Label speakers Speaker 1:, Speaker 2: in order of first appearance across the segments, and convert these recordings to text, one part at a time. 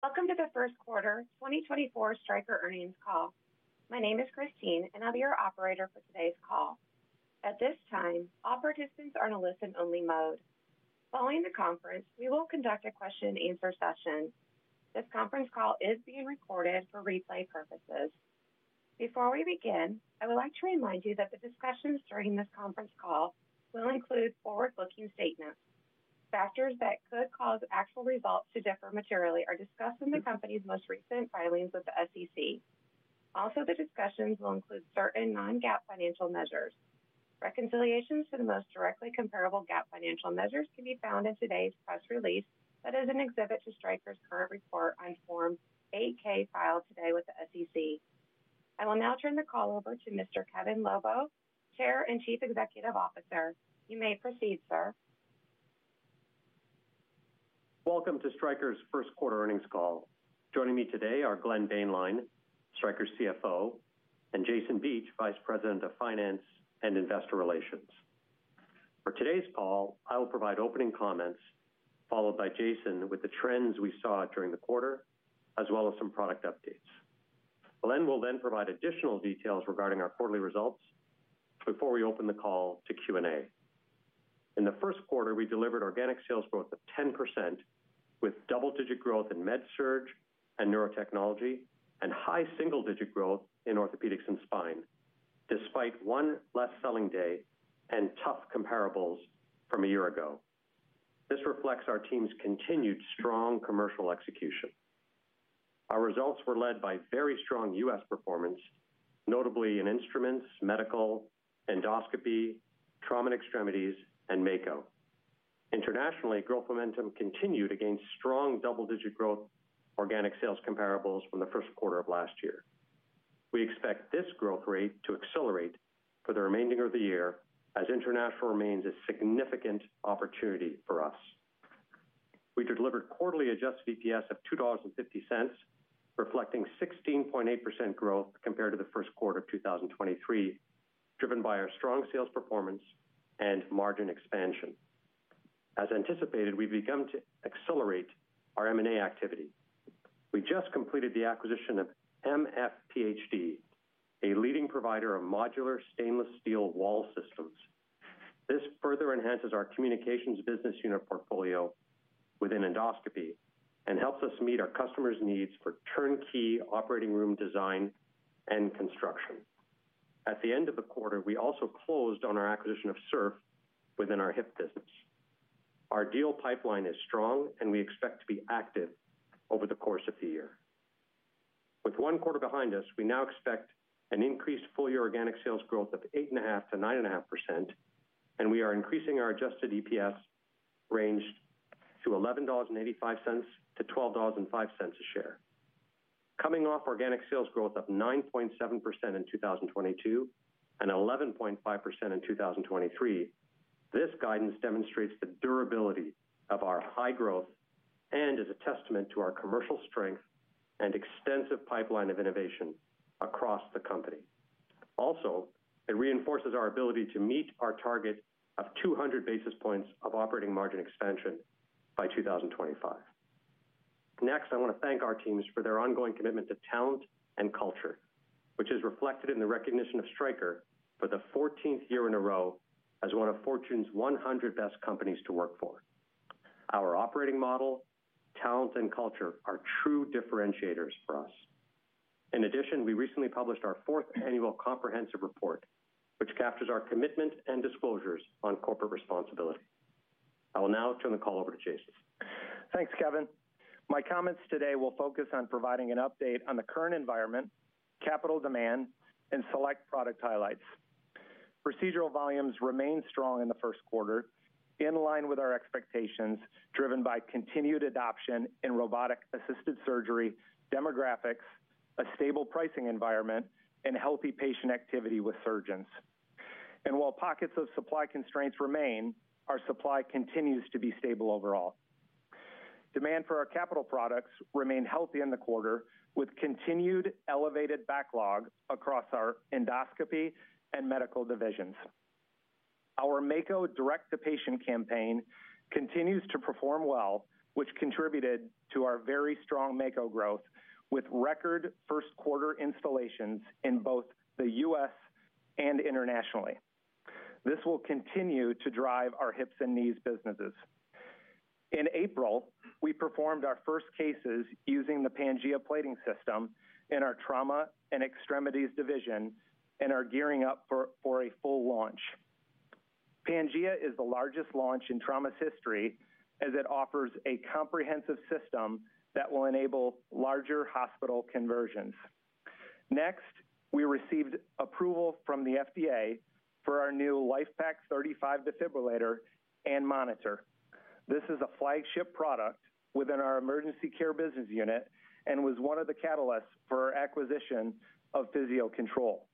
Speaker 1: Welcome to the first quarter 2024 Stryker earnings call. My name is Christine, and I'll be your operator for today's call. At this time, all participants are in a listen-only mode. Following the conference, we will conduct a question-and-answer session. This conference call is being recorded for replay purposes. Before we begin, I would like to remind you that the discussions during this conference call will include forward-looking statements. Factors that could cause actual results to differ materially are discussed in the company's most recent filings with the SEC. Also, the discussions will include certain non-GAAP financial measures. Reconciliations to the most directly comparable GAAP financial measures can be found in today's press release that is an exhibit to Stryker's current report on Form 8-K filed today with the SEC. I will now turn the call over to Mr. Kevin Lobo, Chair and Chief Executive Officer. You may proceed, sir.
Speaker 2: Welcome to Stryker's first quarter earnings call. Joining me today are Glenn Boehnlein, Stryker's CFO, and Jason Beach, Vice President of Finance and Investor Relations. For today's call, I will provide opening comments, followed by Jason with the trends we saw during the quarter, as well as some product updates. Glenn will then provide additional details regarding our quarterly results before we open the call to Q&A. In the first quarter, we delivered organic sales growth of 10% with double-digit growth in MedSurg and Neurotechnology, and high single-digit growth in Orthopaedics and Spine, despite one less-selling day and tough comparables from a year ago. This reflects our team's continued strong commercial execution. Our results were led by very strong U.S. performance, notably in Instruments, Medical, Endoscopy, Trauma and Extremities, and Mako. Internationally, growth momentum continued against strong double-digit growth organic sales comparables from the first quarter of last year. We expect this growth rate to accelerate for the remainder of the year as international remains a significant opportunity for us. We delivered quarterly adjusted EPS of $2.50, reflecting 16.8% growth compared to the first quarter of 2023, driven by our strong sales performance and margin expansion. As anticipated, we've begun to accelerate our M&A activity. We just completed the acquisition of mfPHD, a leading provider of modular stainless steel wall systems. This further enhances our Communications business unit portfolio within Endoscopy and helps us meet our customers' needs for turnkey operating room design and construction. At the end of the quarter, we also closed on our acquisition of SERF within our hip business. Our deal pipeline is strong, and we expect to be active over the course of the year. With one quarter behind us, we now expect an increased full-year organic sales growth of 8.5%-9.5%, and we are increasing our adjusted EPS range to $11.85-$12.05 a share. Coming off organic sales growth of 9.7% in 2022 and 11.5% in 2023, this guidance demonstrates the durability of our high growth and is a testament to our commercial strength and extensive pipeline of innovation across the company. Also, it reinforces our ability to meet our target of 200 basis points of operating margin expansion by 2025. Next, I want to thank our teams for their ongoing commitment to talent and culture, which is reflected in the recognition of Stryker for the 14th year in a row as one of Fortune's 100 Best Companies to Work For. Our operating model, talent, and culture are true differentiators for us. In addition, we recently published our fourth annual comprehensive report, which captures our commitment and disclosures on corporate responsibility. I will now turn the call over to Jason.
Speaker 3: Thanks, Kevin. My comments today will focus on providing an update on the current environment, capital demand, and select product highlights. Procedural volumes remain strong in the first quarter, in line with our expectations driven by continued adoption in robotic-assisted surgery, demographics, a stable pricing environment, and healthy patient activity with surgeons. While pockets of supply constraints remain, our supply continues to be stable overall. Demand for our capital products remained healthy in the quarter, with continued elevated backlog across our Endoscopy and Medical divisions. Our Mako direct-to-patient campaign continues to perform well, which contributed to our very strong Mako growth with record first-quarter installations in both the U.S. and internationally. This will continue to drive our hips and knees businesses. In April, we performed our first cases using the Pangea plating system in our Trauma and Extremities division and are gearing up for a full launch. Pangea is the largest launch in trauma's history as it offers a comprehensive system that will enable larger hospital conversions. Next, we received approval from the FDA for our new LIFEPAK 35 defibrillator and monitor. This is a flagship product within our Emergency Care business unit and was one of the catalysts for our acquisition of Physio-Control.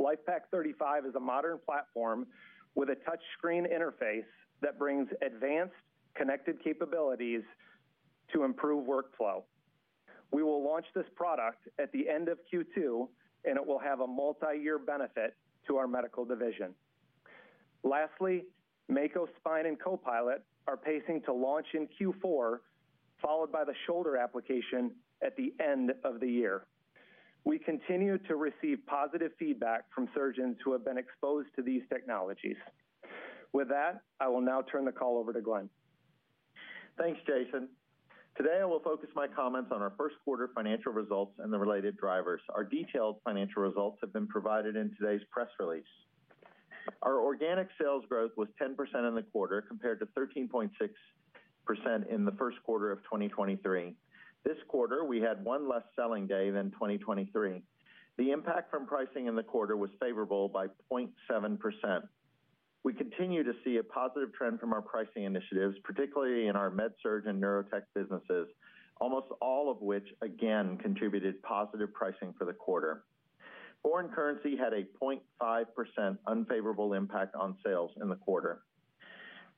Speaker 3: LIFEPAK 35 is a modern platform with a touchscreen interface that brings advanced connected capabilities to improve workflow. We will launch this product at the end of Q2, and it will have a multi-year benefit to our medical division. Lastly, Mako Spine and Copilot are pacing to launch in Q4, followed by the shoulder application at the end of the year. We continue to receive positive feedback from surgeons who have been exposed to these technologies. With that, I will now turn the call over to Glenn.
Speaker 4: Thanks, Jason. Today, I will focus my comments on our first quarter financial results and the related drivers. Our detailed financial results have been provided in today's press release. Our organic sales growth was 10% in the quarter compared to 13.6% in the first quarter of 2023. This quarter, we had one less selling day than 2023. The impact from pricing in the quarter was favorable by 0.7%. We continue to see a positive trend from our pricing initiatives, particularly in our MedSurg and Neurotechnology businesses, almost all of which, again, contributed positive pricing for the quarter. Foreign currency had a 0.5% unfavorable impact on sales in the quarter.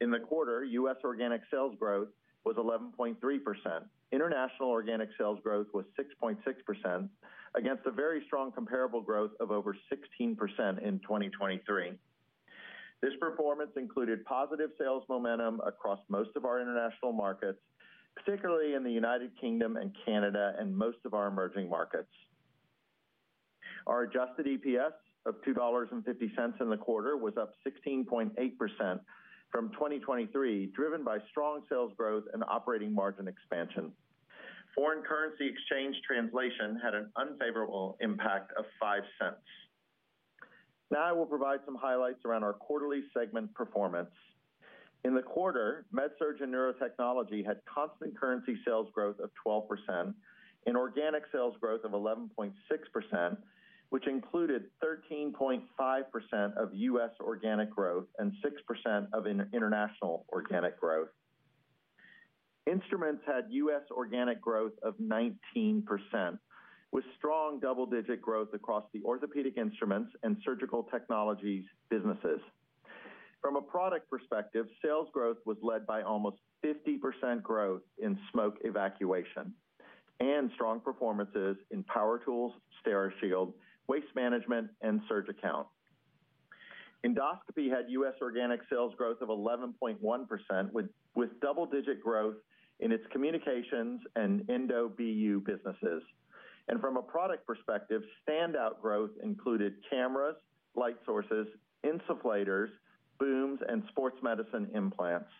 Speaker 4: In the quarter, U.S. organic sales growth was 11.3%. International organic sales growth was 6.6%, against a very strong comparable growth of over 16% in 2023. This performance included positive sales momentum across most of our international markets, particularly in the United Kingdom and Canada and most of our emerging markets. Our adjusted EPS of $2.50 in the quarter was up 16.8% from 2023, driven by strong sales growth and operating margin expansion. Foreign currency exchange translation had an unfavorable impact of 0.05%. Now I will provide some highlights around our quarterly segment performance. In the quarter, MedSurg and Neurotechnology had constant currency sales growth of 12% and organic sales growth of 11.6%, which included 13.5% of U.S. organic growth and 6% of international organic growth. Instruments had U.S. organic growth of 19%, with strong double-digit growth across the Orthopaedic Instruments and Surgical Technologies businesses. From a product perspective, sales growth was led by almost 50% growth in smoke evacuation and strong performances in power tools, Steri-Shield, waste management, and SurgiCount. Endoscopy had U.S. organic sales growth of 11.1%, with double-digit growth in its communications and endo BU businesses. From a product perspective, standout growth included cameras, light sources, insufflators, booms, and sports medicine implants.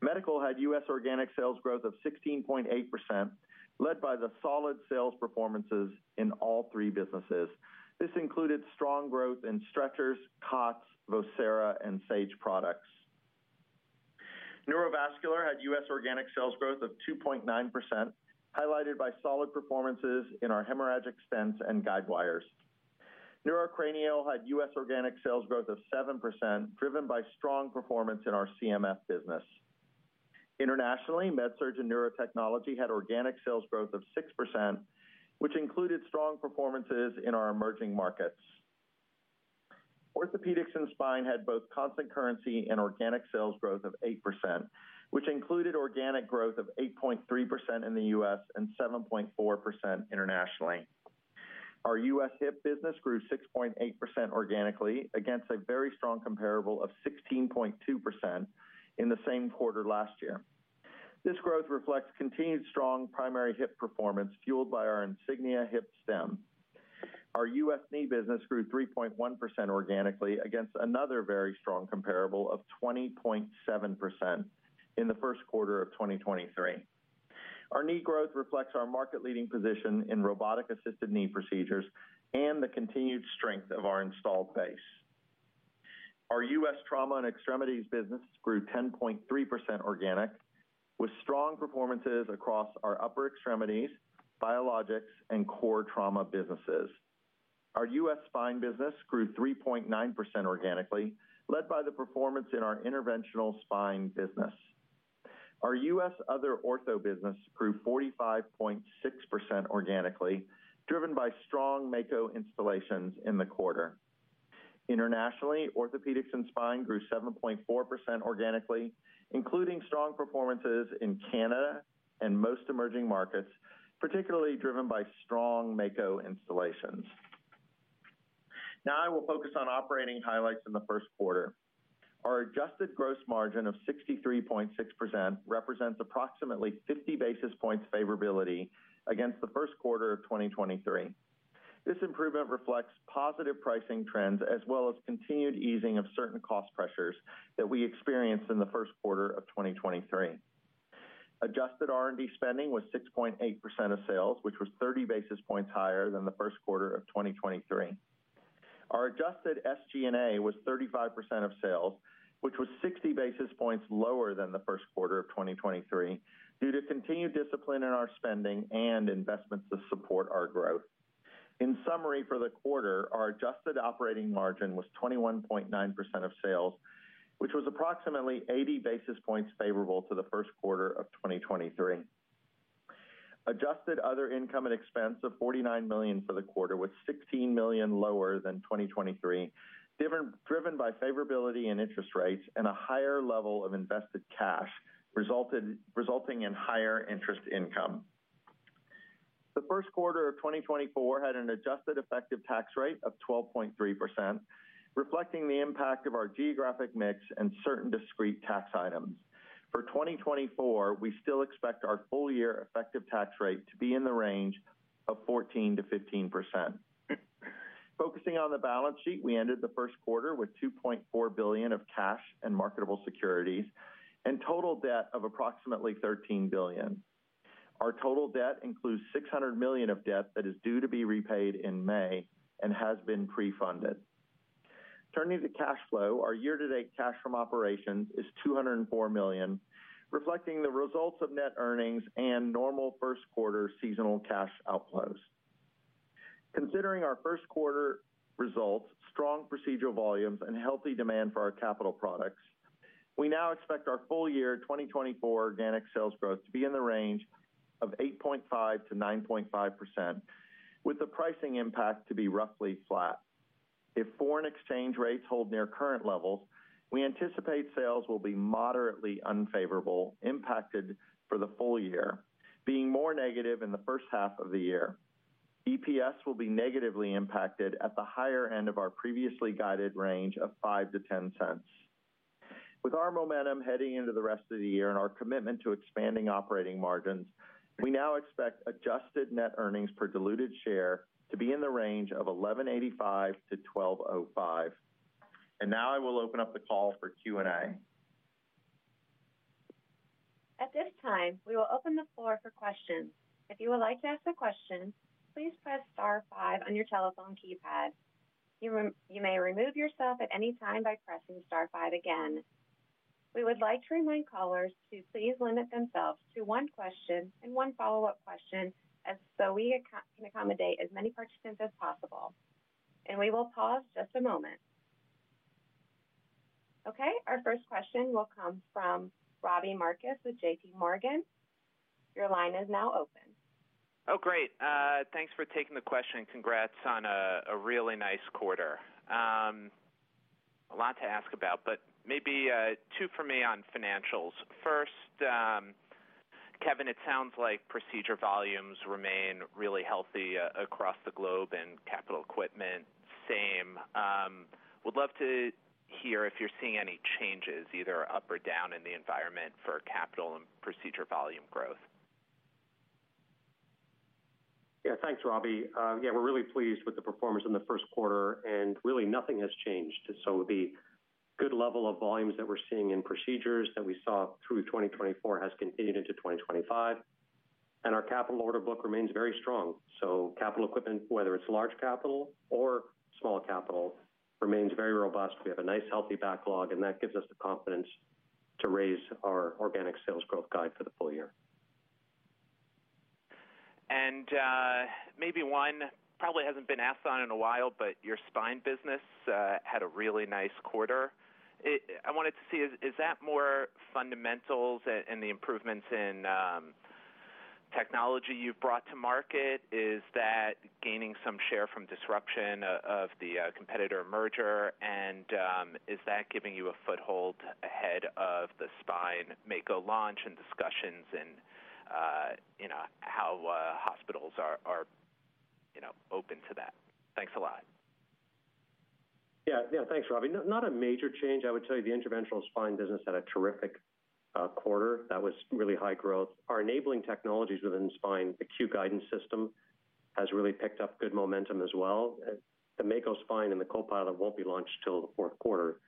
Speaker 4: Medical had U.S. organic sales growth of 16.8%, led by the solid sales performances in all three businesses. This included strong growth in stretchers, cots, Vocera, and Sage products. Neurovascular had U.S. organic sales growth of 2.9%, highlighted by solid performances in our hemorrhagic stents and guidewires. Neurotechnology had U.S. organic sales growth of 7%, driven by strong performance in our CMF business. Internationally, MedSurg and Neurotechnology had organic sales growth of 6%, which included strong performances in our emerging markets. Orthopaedics and Spine had both constant currency and organic sales growth of 8%, which included organic growth of 8.3% in the U.S. and 7.4% internationally. Our U.S. Hip business grew 6.8% organically against a very strong comparable of 16.2% in the same quarter last year. This growth reflects continued strong primary hip performance fueled by our Insignia Hip Stem. Our U.S. knee business grew 3.1% organically against another very strong comparable of 20.7% in the first quarter of 2023. Our knee growth reflects our market-leading position in robotic-assisted knee procedures and the continued strength of our installed base. Our U.S. Trauma and Extremities business grew 10.3% organically, with strong performances across our upper extremities, biologics, and core trauma businesses. Our U.S. spine business grew 3.9% organically, led by the performance in our Interventional Spine business. Our U.S. other ortho business grew 45.6% organically, driven by strong Mako installations in the quarter. Internationally, Orthopaedics and Spine grew 7.4% organically, including strong performances in Canada and most emerging markets, particularly driven by strong Mako installations. Now I will focus on operating highlights in the first quarter. Our adjusted gross margin of 63.6% represents approximately 50 basis points favorability against the first quarter of 2023. This improvement reflects positive pricing trends as well as continued easing of certain cost pressures that we experienced in the first quarter of 2023. Adjusted R&D spending was 6.8% of sales, which was 30 basis points higher than the first quarter of 2023. Our adjusted SG&A was 35% of sales, which was 60 basis points lower than the first quarter of 2023 due to continued discipline in our spending and investments to support our growth. In summary, for the quarter, our adjusted operating margin was 21.9% of sales, which was approximately 80 basis points favorable to the first quarter of 2023. Adjusted other income and expense of $49 million for the quarter was $16 million lower than 2023, driven by favorability and interest rates and a higher level of invested cash resulting in higher interest income. The first quarter of 2024 had an adjusted effective tax rate of 12.3%, reflecting the impact of our geographic mix and certain discrete tax items. For 2024, we still expect our full-year effective tax rate to be in the range of 14%-15%. Focusing on the balance sheet, we ended the first quarter with $2.4 billion of cash and marketable securities and total debt of approximately $13 billion. Our total debt includes $600 million of debt that is due to be repaid in May and has been pre-funded. Turning to cash flow, our year-to-date cash from operations is $204 million, reflecting the results of net earnings and normal first quarter seasonal cash outflows. Considering our first quarter results, strong procedural volumes, and healthy demand for our capital products, we now expect our full-year 2024 organic sales growth to be in the range of 8.5%-9.5%, with the pricing impact to be roughly flat. If foreign exchange rates hold near current levels, we anticipate sales will be moderately unfavorable, impacted for the full year, being more negative in the first half of the year. EPS will be negatively impacted at the higher end of our previously guided range of 5%-10%. With our momentum heading into the rest of the year and our commitment to expanding operating margins, we now expect adjusted net earnings per diluted share to be in the range of $11.85-$12.05. And now I will open up the call for Q&A.
Speaker 1: At this time, we will open the floor for questions. If you would like to ask a question, please press Star 5 on your telephone keypad. You may remove yourself at any time by pressing Star 5 again. We would like to remind callers to please limit themselves to one question and one follow-up question so we can accommodate as many participants as possible. We will pause just a moment. Okay, our first question will come from Robbie Marcus with J.P. Morgan. Your line is now open.
Speaker 5: Oh, great. Thanks for taking the question. Congrats on a really nice quarter. A lot to ask about, but maybe two for me on financials. First, Kevin, it sounds like procedural volumes remain really healthy across the globe and capital equipment same. Would love to hear if you're seeing any changes, either up or down, in the environment for capital and procedural volume growth?
Speaker 2: Yeah, thanks, Robbie. Yeah, we're really pleased with the performance in the first quarter, and really nothing has changed. So the good level of volumes that we're seeing in procedures that we saw through 2024 has continued into 2025. And our capital order book remains very strong. So capital equipment, whether it's large capital or small capital, remains very robust. We have a nice, healthy backlog, and that gives us the confidence to raise our organic sales growth guide for the full year.
Speaker 5: And maybe one probably hasn't been asked on in a while, but your spine business had a really nice quarter. I wanted to see, is that more fundamentals and the improvements in technology you've brought to market? Is that gaining some share from disruption of the competitor merger, and is that giving you a foothold ahead of the spine Mako launch and discussions in how hospitals are open to that? Thanks a lot.
Speaker 2: Yeah, yeah, thanks, Robbie. Not a major change. I would tell you the Interventional Spine business had a terrific quarter. That was really high growth. Our enabling technologies within spine, the Q Guidance System, has really picked up good momentum as well. The Mako Spine and the Copilot won't be launched until the fourth quarter.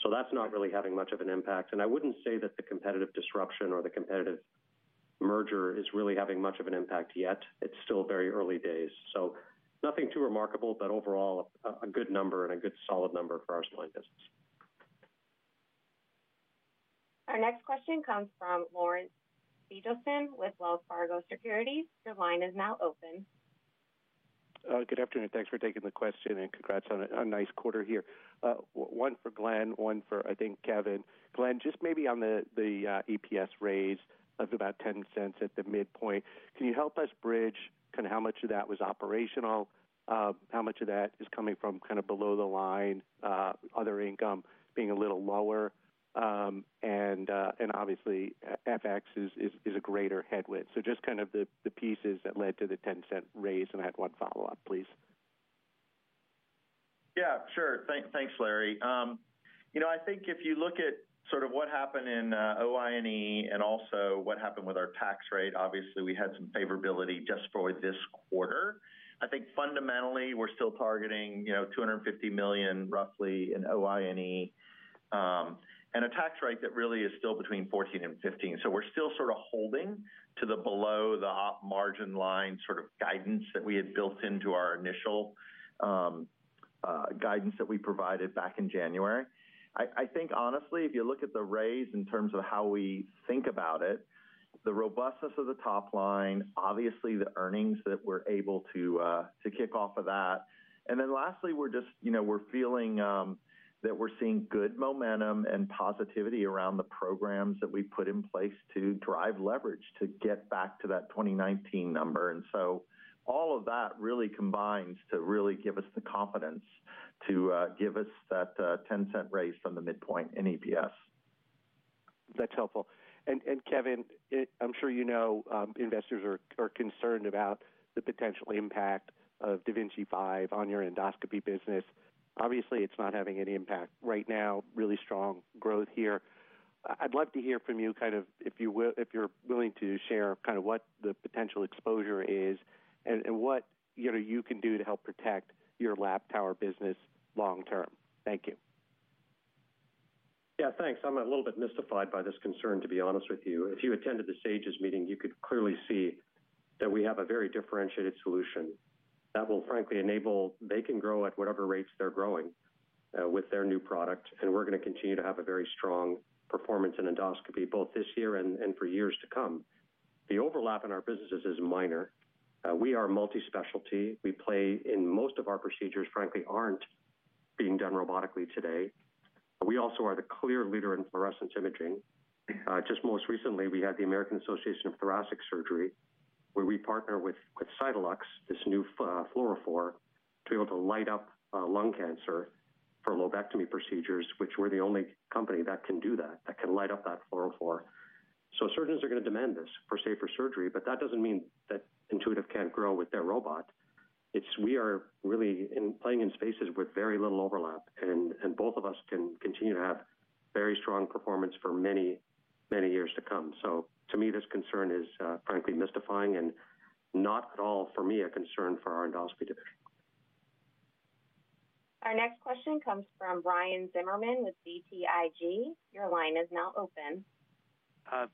Speaker 2: So that's not really having much of an impact. And I wouldn't say that the competitive disruption or the competitive merger is really having much of an impact yet. It's still very early days. So nothing too remarkable, but overall a good number and a good solid number for our spine business.
Speaker 1: Our next question comes from Larry Biegelsen with Wells Fargo Securities. Your line is now open.
Speaker 6: Good afternoon. Thanks for taking the question, and congrats on a nice quarter here. One for Glenn, one for, I think, Kevin. Glenn, just maybe on the EPS raise of about $0.10 at the midpoint, can you help us bridge kind of how much of that was operational? How much of that is coming from kind of below the line, other income being a little lower, and obviously FX is a greater headwind? So just kind of the pieces that led to the $0.10 raise, and I had one follow-up, please.
Speaker 4: Yeah, sure. Thanks, Larry. You know, I think if you look at sort of what happened in OI&E and also what happened with our tax rate, obviously we had some favorability just for this quarter. I think fundamentally we're still targeting $250 million roughly in OI&E. And a tax rate that really is still between 14%-15%. So we're still sort of holding to the below-the-op margin line sort of guidance that we had built into our initial guidance that we provided back in January. I think honestly, if you look at the raise in terms of how we think about it, the robustness of the top line, obviously the earnings that we're able to kick off of that. Then lastly, we're just feeling that we're seeing good momentum and positivity around the programs that we put in place to drive leverage to get back to that 2019 number. So all of that really combines to really give us the confidence to give us that $0.10 raise from the midpoint in EPS.
Speaker 6: That's helpful. Kevin, I'm sure you know investors are concerned about the potential impact of da Vinci 5 on your Endoscopy business. Obviously, it's not having any impact right now, really strong growth here. I'd love to hear from you kind of if you're willing to share kind of what the potential exposure is and what you can do to help protect your lap tower business long term. Thank you.
Speaker 2: Yeah, thanks. I'm a little bit mystified by this concern, to be honest with you. If you attended the SAGES meeting, you could clearly see that we have a very differentiated solution. That will frankly enable they can grow at whatever rates they're growing with their new product, and we're going to continue to have a very strong performance in Endoscopy both this year and for years to come. The overlap in our businesses is minor. We are multispecialty. We play in most of our procedures, frankly, aren't being done robotically today. We also are the clear leader in fluorescence imaging. Just most recently, we had the American Association of Thoracic Surgery, where we partner with Cytalux, this new fluorophore, to be able to light up lung cancer for lobectomy procedures, which we're the only company that can do that, that can light up that fluorophore. So surgeons are going to demand this for safer surgery, but that doesn't mean that Intuitive can't grow with their robot. We are really playing in spaces with very little overlap, and both of us can continue to have very strong performance for many, many years to come. So to me, this concern is frankly mystifying and not at all for me a concern for our Endoscopy division.
Speaker 1: Our next question comes from Ryan Zimmerman with BTIG. Your line is now open.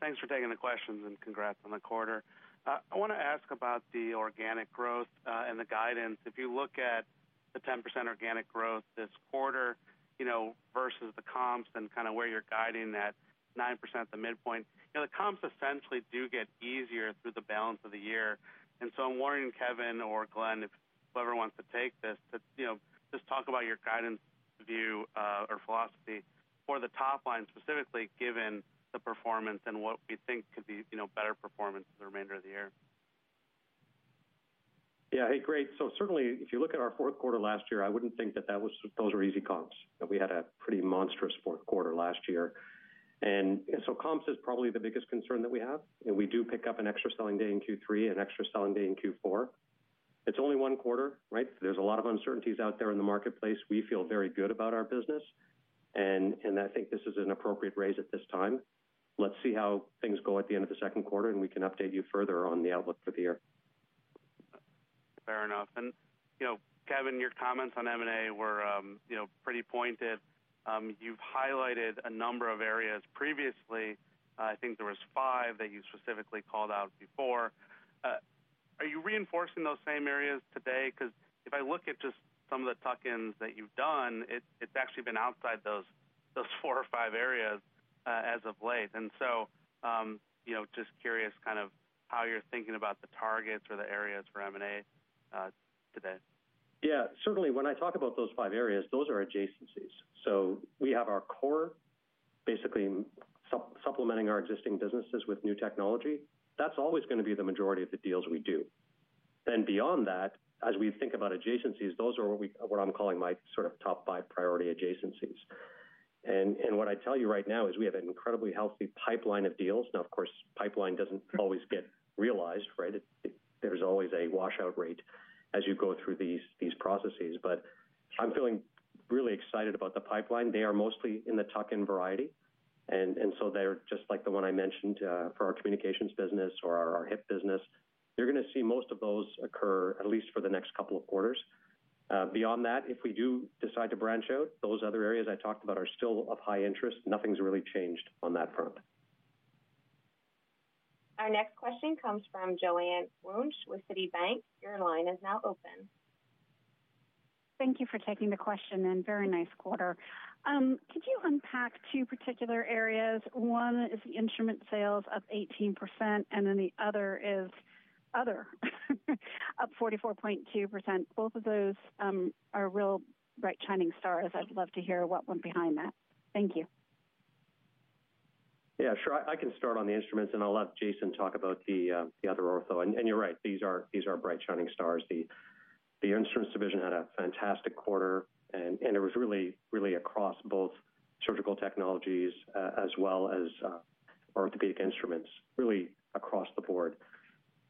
Speaker 7: Thanks for taking the questions and congrats on the quarter. I want to ask about the organic growth and the guidance. If you look at the 10% organic growth this quarter versus the comps and kind of where you're guiding that 9% at the midpoint, the comps essentially do get easier through the balance of the year. And so I'm wondering, Kevin or Glenn, if whoever wants to take this, to just talk about your guidance view or philosophy for the top line specifically, given the performance and what we think could be better performance for the remainder of the year.
Speaker 2: Yeah, hey, great. So certainly, if you look at our fourth quarter last year, I wouldn't think that those were easy comps. We had a pretty monstrous fourth quarter last year. And so comps is probably the biggest concern that we have. And we do pick up an extra selling day in Q3, an extra selling day in Q4. It's only one quarter, right? There's a lot of uncertainties out there in the marketplace. We feel very good about our business. And I think this is an appropriate raise at this time. Let's see how things go at the end of the second quarter, and we can update you further on the outlook for the year.
Speaker 4: Fair enough. Kevin, your comments on M&A were pretty pointed. You've highlighted a number of areas previously. I think there was five that you specifically called out before. Are you reinforcing those same areas today? Because if I look at just some of the tuck-ins that you've done, it's actually been outside those four or five areas as of late. So just curious kind of how you're thinking about the targets or the areas for M&A today.
Speaker 2: Yeah, certainly when I talk about those five areas, those are adjacencies. So we have our core, basically supplementing our existing businesses with new technology. That's always going to be the majority of the deals we do. Then beyond that, as we think about adjacencies, those are what I'm calling my sort of top five priority adjacencies. And what I tell you right now is we have an incredibly healthy pipeline of deals. Now, of course, pipeline doesn't always get realized, right? There's always a washout rate as you go through these processes. But I'm feeling really excited about the pipeline. They are mostly in the tuck-in variety. And so they're just like the one I mentioned for our communications business or our hip business. You're going to see most of those occur, at least for the next couple of quarters. Beyond that, if we do decide to branch out, those other areas I talked about are still of high interest. Nothing's really changed on that front.
Speaker 1: Our next question comes from Joanne Wuensch with Citibank. Your line is now open.
Speaker 8: Thank you for taking the question. Very nice quarter. Could you unpack two particular areas? One is the instrument sales up 18%, and then the other is other up 44.2%. Both of those are real bright shining stars. I'd love to hear what went behind that. Thank you.
Speaker 2: Yeah, sure. I can start on the instruments, and I'll let Jason talk about the other ortho. You're right. These are bright shining stars. The instruments division had a fantastic quarter, and it was really across both Surgical Technologies as well as Orthopaedic Instruments, really across the board.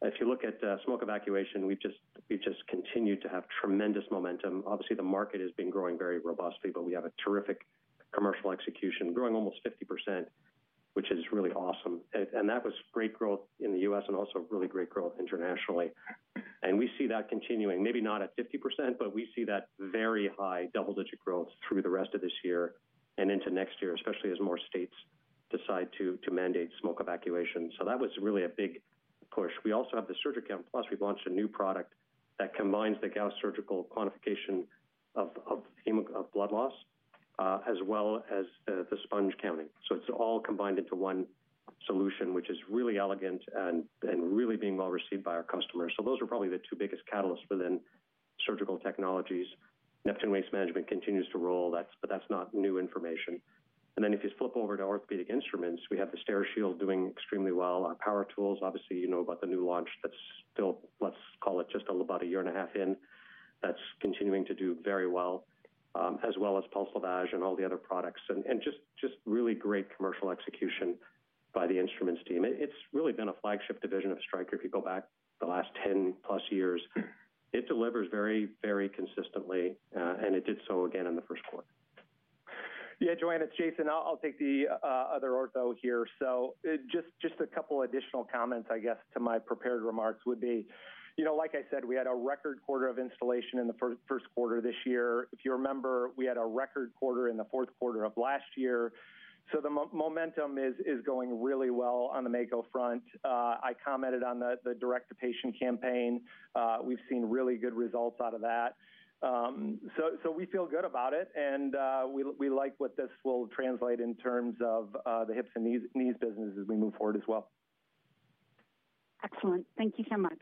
Speaker 2: If you look at smoke evacuation, we've just continued to have tremendous momentum. Obviously, the market has been growing very robustly, but we have a terrific commercial execution, growing almost 50%, which is really awesome. And that was great growth in the U.S. and also really great growth internationally. And we see that continuing. Maybe not at 50%, but we see that very high double-digit growth through the rest of this year and into next year, especially as more states decide to mandate smoke evacuation. So that was really a big push. We also have the SurgiCount+. We've launched a new product that combines the Gauss Surgical quantification of blood loss as well as the sponge counting. So it's all combined into one solution, which is really elegant and really being well received by our customers. So those are probably the two biggest catalysts within Surgical Technologies. Neptune Waste Management continues to roll, but that's not new information. And then if you flip over to Orthopaedic Instruments, we have the Steri-Shield doing extremely well. Our Power Tools, obviously, you know about the new launch that's still, let's call it, just about a year and a half in. That's continuing to do very well, as well as Pulse Lavage and all the other products. And just really great commercial execution by the instruments team. It's really been a flagship division of Stryker if you go back the last 10-plus years. It delivers very, very consistently, and it did so again in the first quarter.
Speaker 3: Yeah, Joanne, it's Jason. I'll take the other ortho here. So just a couple of additional comments, I guess, to my prepared remarks would be, like I said, we had a record quarter of installation in the first quarter this year. If you remember, we had a record quarter in the fourth quarter of last year. So the momentum is going really well on the Mako front. I commented on the direct-to-patient campaign. We've seen really good results out of that. So we feel good about it, and we like what this will translate in terms of the hips and knees business as we move forward as well.
Speaker 8: Excellent. Thank you so much.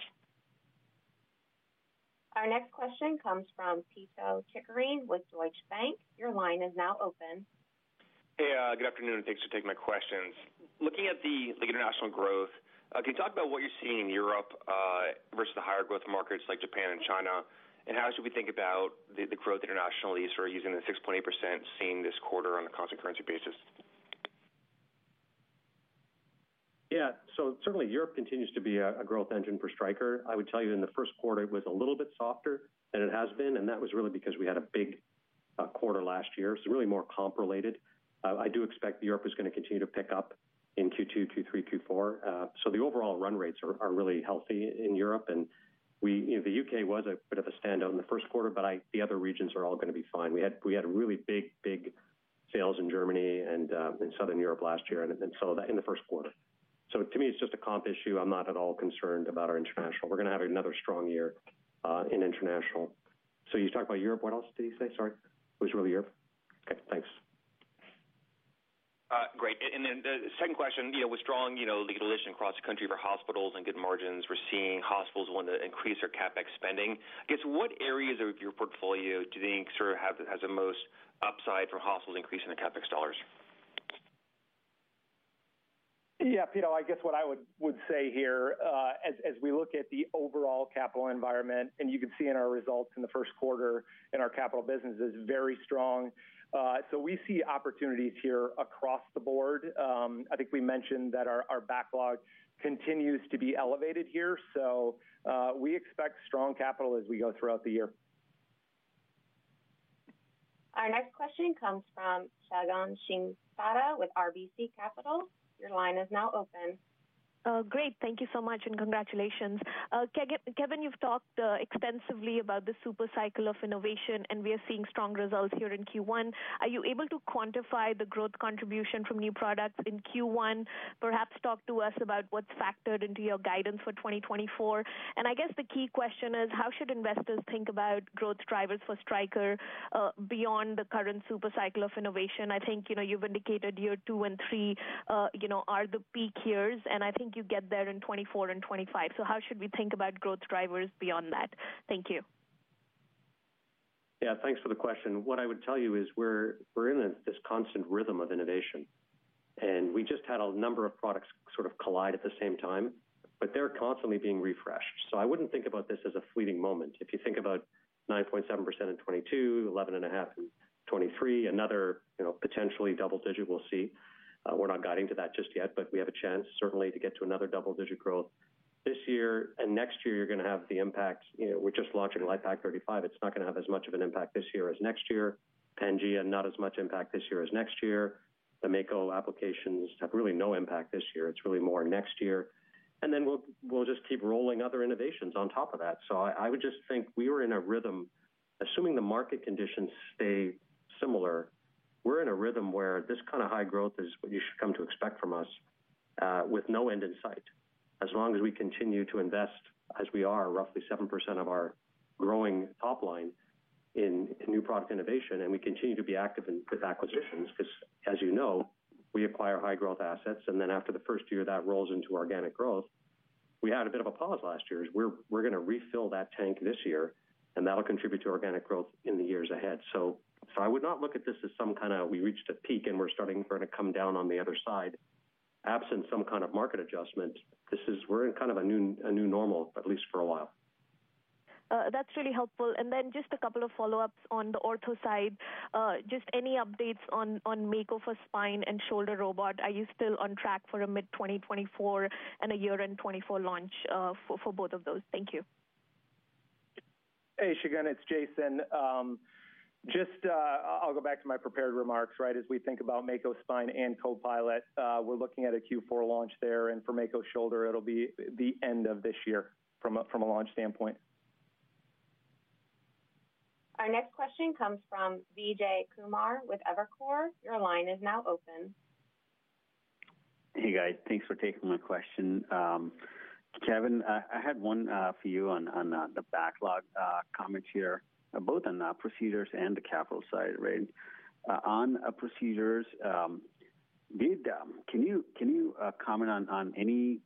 Speaker 1: Our next question comes from Pito Chickering with Deutsche Bank. Your line is now open.
Speaker 9: Hey, good afternoon. Thanks for taking my questions. Looking at the international growth, can you talk about what you're seeing in Europe versus the higher growth markets like Japan and China, and how should we think about the growth internationally sort of using the 6.8% seeing this quarter on a constant currency basis?
Speaker 2: Yeah, so certainly Europe continues to be a growth engine for Stryker. I would tell you in the first quarter it was a little bit softer than it has been, and that was really because we had a big quarter last year. It's really more comp-related. I do expect Europe is going to continue to pick up in Q2, Q3, Q4. So the overall run rates are really healthy in Europe, and the UK was a bit of a standout in the first quarter, but the other regions are all going to be fine. We had really big, big sales in Germany and in Southern Europe last year, and so in the first quarter. So to me, it's just a comp issue. I'm not at all concerned about our international. We're going to have another strong year in international. So you talked about Europe. What else did you say? Sorry. Was it really Europe? Okay, thanks.
Speaker 9: Great. The second question was drawing a correlation across the country for hospitals and good margins. We're seeing hospitals wanting to increase their CapEx spending. I guess what areas of your portfolio do you think sort of has the most upside from hospitals increasing their CapEx dollars?
Speaker 3: Yeah, Pete, I guess what I would say here, as we look at the overall capital environment, and you can see in our results in the first quarter in our capital businesses, very strong. So we see opportunities here across the board. I think we mentioned that our backlog continues to be elevated here. So we expect strong capital as we go throughout the year.
Speaker 1: Our next question comes from Shagun Singh with RBC Capital. Your line is now open.
Speaker 10: Great. Thank you so much and congratulations. Kevin, you've talked extensively about the supercycle of innovation, and we are seeing strong results here in Q1. Are you able to quantify the growth contribution from new products in Q1? Perhaps talk to us about what's factored into your guidance for 2024. And I guess the key question is, how should investors think about growth drivers for Stryker beyond the current supercycle of innovation? I think you've indicated year 2 and 3 are the peak years, and I think you get there in 2024 and 2025. So how should we think about growth drivers beyond that? Thank you.
Speaker 2: Yeah, thanks for the question. What I would tell you is we're in this constant rhythm of innovation. We just had a number of products sort of collide at the same time, but they're constantly being refreshed. So I wouldn't think about this as a fleeting moment. If you think about 9.7% in 2022, 11.5% in 2023, another potentially double-digit we'll see. We're not guiding to that just yet, but we have a chance, certainly, to get to another double-digit growth this year. Next year, you're going to have the impact. We're just launching LIFEPAK 35. It's not going to have as much of an impact this year as next year. Pangea, not as much impact this year as next year. The Mako applications have really no impact this year. It's really more next year. Then we'll just keep rolling other innovations on top of that. So I would just think we were in a rhythm, assuming the market conditions stay similar. We're in a rhythm where this kind of high growth is what you should come to expect from us with no end in sight. As long as we continue to invest as we are, roughly 7% of our growing top line in new product innovation, and we continue to be active with acquisitions because, as you know, we acquire high-growth assets, and then after the first year, that rolls into organic growth. We had a bit of a pause last year. We're going to refill that tank this year, and that'll contribute to organic growth in the years ahead. So I would not look at this as some kind of we reached a peak and we're going to come down on the other side. Absent some kind of market adjustment, we're in kind of a new normal, at least for a while.
Speaker 10: That's really helpful. And then just a couple of follow-ups on the ortho side. Just any updates on Mako for spine and shoulder robot? Are you still on track for a mid-2024 and a year-end 2024 launch for both of those? Thank you.
Speaker 3: Hey, Shagun, it's Jason. Just I'll go back to my prepared remarks, right? As we think about Mako Spine and Copilot, we're looking at a Q4 launch there, and for Mako Shoulder, it'll be the end of this year from a launch standpoint.
Speaker 1: Our next question comes from Vijay Kumar with Evercore. Your line is now open.
Speaker 11: Hey, guys. Thanks for taking my question. Kevin, I had one for you on the backlog comments here, both on procedures and the capital side, right? On procedures, Vijay, can you comment on any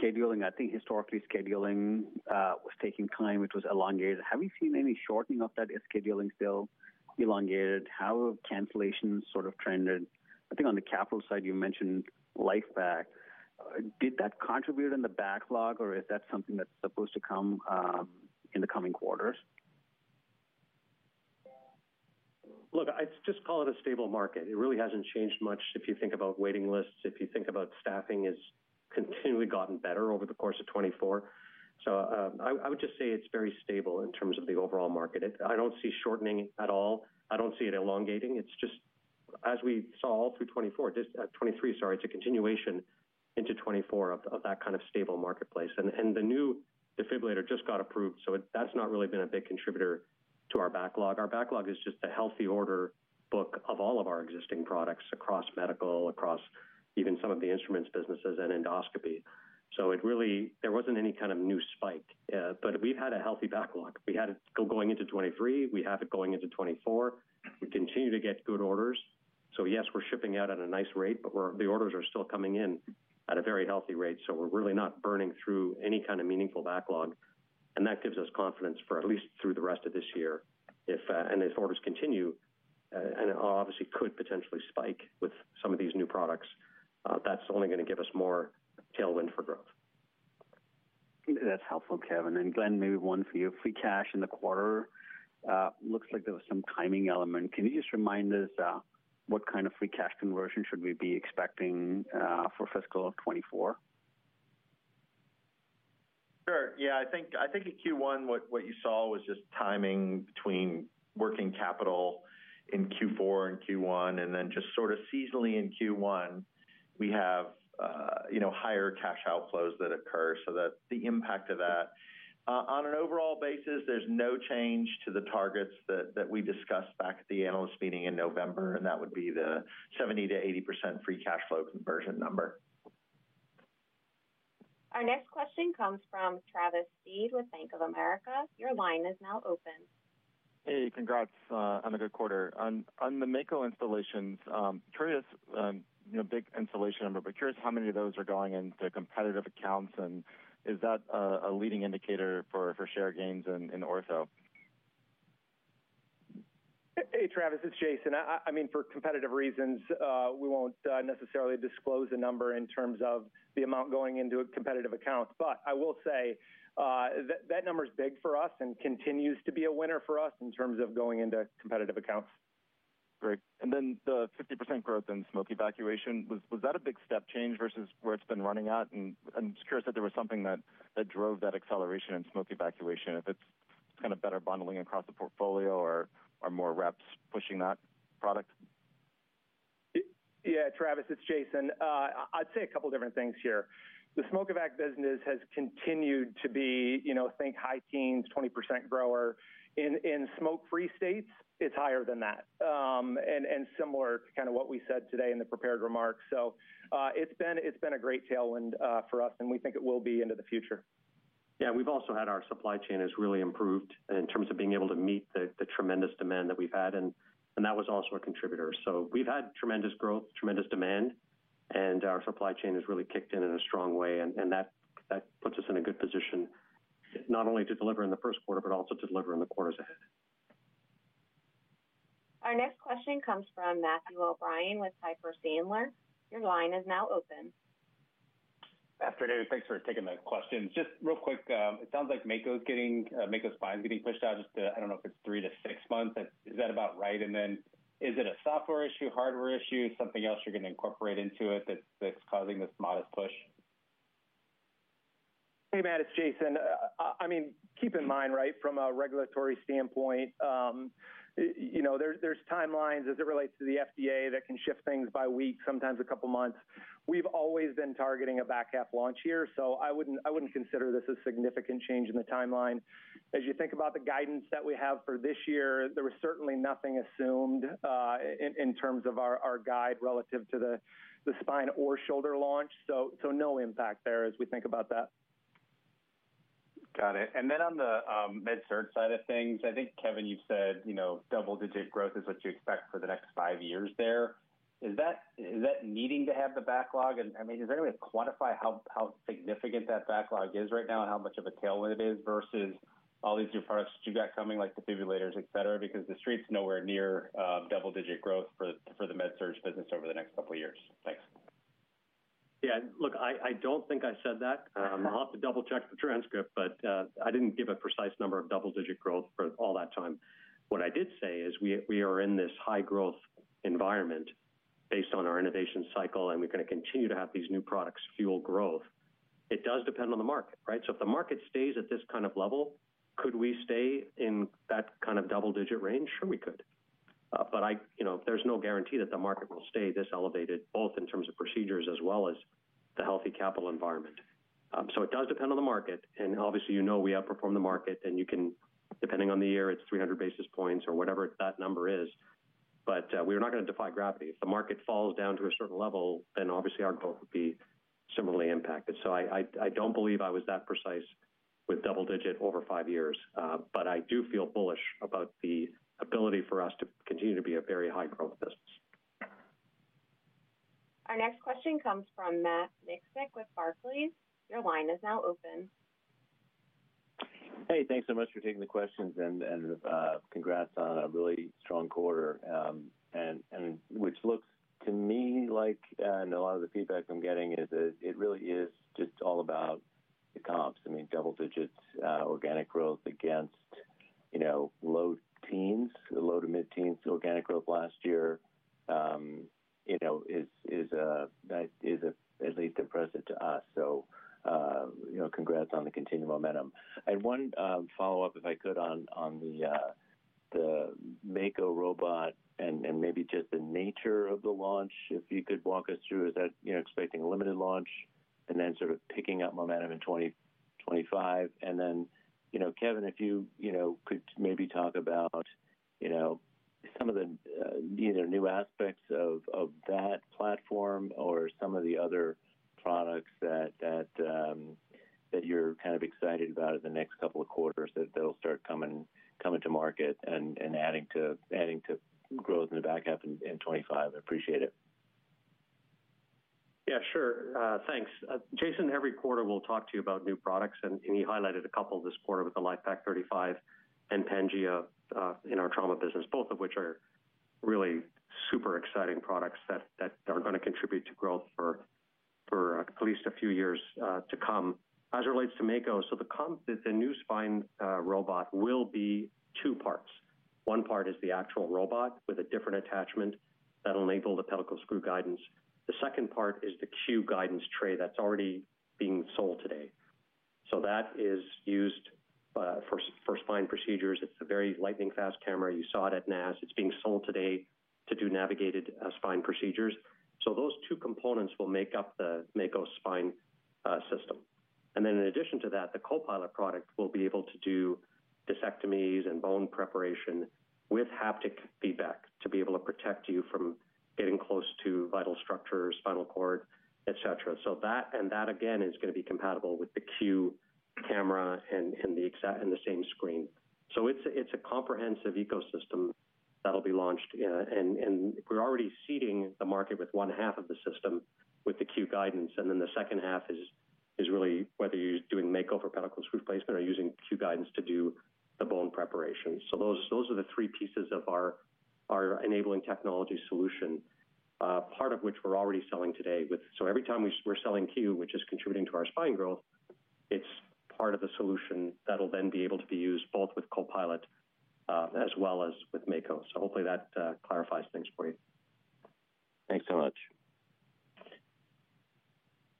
Speaker 11: scheduling? I think historically, scheduling was taking time. It was elongated. Have you seen any shortening of that scheduling, still elongated? How have cancellations sort of trended? I think on the capital side, you mentioned LIFEPAK. Did that contribute in the backlog, or is that something that's supposed to come in the coming quarters?
Speaker 2: Look, I'd just call it a stable market. It really hasn't changed much if you think about waiting lists. If you think about staffing, it's continually gotten better over the course of 2024. So I would just say it's very stable in terms of the overall market. I don't see shortening at all. I don't see it elongating. It's just, as we saw all through 2024, 2023, sorry, it's a continuation into 2024 of that kind of stable marketplace. The new defibrillator just got approved, so that's not really been a big contributor to our backlog. Our backlog is just the healthy order book of all of our existing products across medical, across even some of the instruments businesses, and Endoscopy. So there wasn't any kind of new spike. We've had a healthy backlog. We had it going into 2023. We have it going into 2024. We continue to get good orders. So yes, we're shipping out at a nice rate, but the orders are still coming in at a very healthy rate. So we're really not burning through any kind of meaningful backlog. And that gives us confidence for at least through the rest of this year. And if orders continue and obviously could potentially spike with some of these new products, that's only going to give us more tailwind for growth.
Speaker 11: That's helpful, Kevin. And Glenn, maybe one for you. Free cash in the quarter. Looks like there was some timing element. Can you just remind us what kind of free cash conversion should we be expecting for fiscal of 2024?
Speaker 4: Sure. Yeah, I think in Q1, what you saw was just timing between working capital in Q4 and Q1, and then just sort of seasonally in Q1, we have higher cash outflows that occur, so that the impact of that. On an overall basis, there's no change to the targets that we discussed back at the analyst meeting in November, and that would be the 70%-80% free cash flow conversion number.
Speaker 1: Our next question comes from Travis Steed with Bank of America. Your line is now open.
Speaker 12: Hey, congrats on a good quarter. On the Mako installations, curious, big installation number, but curious how many of those are going into competitive accounts, and is that a leading indicator for share gains in ortho?
Speaker 3: Hey, Travis, it's Jason. I mean, for competitive reasons, we won't necessarily disclose a number in terms of the amount going into a competitive account. But I will say that number is big for us and continues to be a winner for us in terms of going into competitive accounts.
Speaker 12: Great. And then the 50% growth in Smoke Evacuation, was that a big step change versus where it's been running at? And I'm just curious if there was something that drove that acceleration in Smoke Evacuation, if it's kind of better bundling across the portfolio or more reps pushing that product?
Speaker 3: Yeah, Travis, it's Jason. I'd say a couple of different things here. The smoke evac business has continued to be, think high teens, 20% grower. In smoke-free states, it's higher than that. And similar to kind of what we said today in the prepared remarks. So it's been a great tailwind for us, and we think it will be into the future.
Speaker 2: Yeah, we've also had our supply chain has really improved in terms of being able to meet the tremendous demand that we've had, and that was also a contributor. So we've had tremendous growth, tremendous demand, and our supply chain has really kicked in in a strong way, and that puts us in a good position not only to deliver in the first quarter, but also to deliver in the quarters ahead.
Speaker 1: Our next question comes from Matthew O'Brien with Piper Sandler. Your line is now open.
Speaker 13: Afternoon. Thanks for taking the questions. Just real quick, it sounds like Mako Spine is getting pushed out. I don't know if it's 3-6 months. Is that about right? And then is it a software issue, hardware issue, something else you're going to incorporate into it that's causing this modest push?
Speaker 3: Hey, Matt, it's Jason. I mean, keep in mind, right, from a regulatory standpoint, there's timelines as it relates to the FDA that can shift things by weeks, sometimes a couple of months. We've always been targeting a back half launch year, so I wouldn't consider this a significant change in the timeline. As you think about the guidance that we have for this year, there was certainly nothing assumed in terms of our guide relative to the spine or shoulder launch. So no impact there as we think about that.
Speaker 13: Got it. And then on the MedSurg side of things, I think, Kevin, you've said double-digit growth is what you expect for the next five years there. Is that needing to have the backlog? And I mean, is there any way to quantify how significant that backlog is right now and how much of a tailwind it is versus all these new products that you've got coming like defibrillators, etc.? Because the street's nowhere near double-digit growth for the MedSurg business over the next couple of years. Thanks.
Speaker 2: Yeah, look, I don't think I said that. I'll have to double-check the transcript, but I didn't give a precise number of double-digit growth for all that time. What I did say is we are in this high-growth environment based on our innovation cycle, and we're going to continue to have these new products fuel growth. It does depend on the market, right? So if the market stays at this kind of level, could we stay in that kind of double-digit range? Sure, we could. But there's no guarantee that the market will stay this elevated, both in terms of procedures as well as the healthy capital environment. So it does depend on the market. And obviously, you know we outperform the market, and you can, depending on the year, it's 300 basis points or whatever that number is. But we are not going to defy gravity. If the market falls down to a certain level, then obviously our growth would be similarly impacted. So I don't believe I was that precise with double-digit over five years. But I do feel bullish about the ability for us to continue to be a very high-growth business.
Speaker 1: Our next question comes from Matt Miksic with Barclays. Your line is now open.
Speaker 14: Hey, thanks so much for taking the questions and congrats on a really strong quarter. And which looks to me like, and a lot of the feedback I'm getting is that it really is just all about the comps. I mean, double-digit organic growth against low teens, low to mid-teens organic growth last year is at least impressive to us. So congrats on the continued momentum. And one follow-up, if I could, on the Mako robot and maybe just the nature of the launch, if you could walk us through, is that expecting a limited launch and then sort of picking up momentum in 2025? And then, Kevin, if you could maybe talk about some of the new aspects of that platform or some of the other products that you're kind of excited about in the next couple of quarters that'll start coming to market and adding to growth in the back half in 2025. I appreciate it.
Speaker 2: Yeah, sure. Thanks. Jason, every quarter we'll talk to you about new products, and he highlighted a couple this quarter with the LIFEPAK 35 and Pangea in our trauma business, both of which are really super exciting products that are going to contribute to growth for at least a few years to come. As it relates to Mako, so the new spine robot will be two parts. One part is the actual robot with a different attachment that'll enable the pedicle screw guidance. The second part is the Q Guidance tray that's already being sold today. So that is used for spine procedures. It's a very lightning-fast camera. You saw it at NASS. It's being sold today to do navigated spine procedures. So those two components will make up the Mako Spine system. And then in addition to that, the Copilot product will be able to do discectomies and bone preparation with haptic feedback to be able to protect you from getting close to vital structures, spinal cord, etc. So that, and that again, is going to be compatible with the Q Guidance and the same screen. So it's a comprehensive ecosystem that'll be launched. And we're already seeding the market with one half of the system with the Q Guidance, and then the second half is really whether you're doing Mako for pedicle screw placement or using Q Guidance to do the bone preparation. So those are the three pieces of our enabling technology solution, part of which we're already selling today. So every time we're selling Q, which is contributing to our spine growth, it's part of the solution that'll then be able to be used both with Copilot as well as with Mako. So hopefully that clarifies things for you.
Speaker 14: Thanks so much.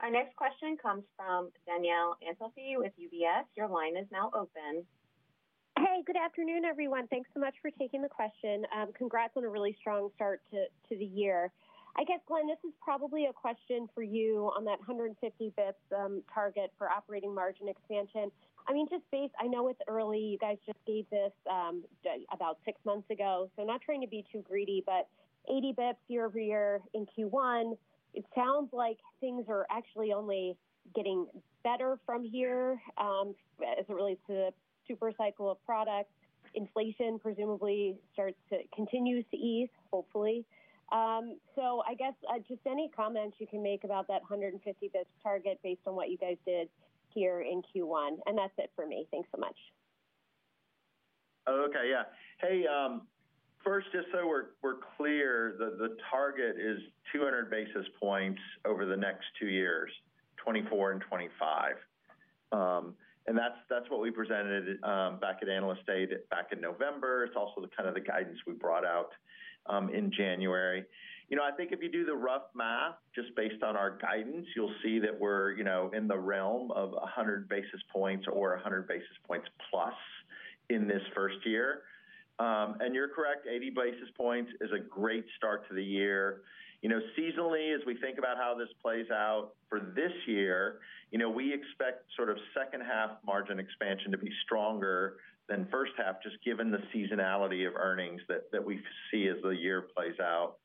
Speaker 1: Our next question comes from Danielle Antalffy with UBS. Your line is now open.
Speaker 15: Hey, good afternoon, everyone. Thanks so much for taking the question. Congrats on a really strong start to the year. I guess, Glenn, this is probably a question for you on that 150 bps target for operating margin expansion. I mean, just base, I know it's early. You guys just gave this about six months ago. So not trying to be too greedy, but 80 bps year-over-year in Q1. It sounds like things are actually only getting better from here as it relates to the supercycle of products. Inflation presumably starts to continue to ease, hopefully. So I guess just any comments you can make about that 150 bps target based on what you guys did here in Q1. And that's it for me. Thanks so much.
Speaker 4: Oh, okay. Yeah. Hey, first, just so we're clear, the target is 200 basis points over the next two years, 2024 and 2025. And that's what we presented back at Analyst Day back in November. It's also kind of the guidance we brought out in January. I think if you do the rough math just based on our guidance, you'll see that we're in the realm of 100 basis points or 100 basis points plus in this first year. And you're correct. 80 basis points is a great start to the year. Seasonally, as we think about how this plays out for this year, we expect sort of second half margin expansion to be stronger than first half, just given the seasonality of earnings that we see as the year plays out.